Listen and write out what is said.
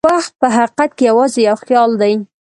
وخت په حقیقت کې یوازې یو خیال دی.